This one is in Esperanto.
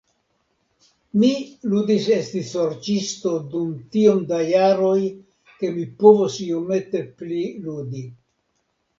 Mi ludis esti Sorĉisto dum tiom da jaroj ke mi povos iomete pli ludi.